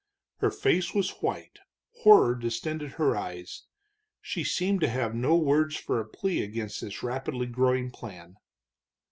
Her face was white, horror distended her eyes; she seemed to have no words for a plea against this rapidly growing plan.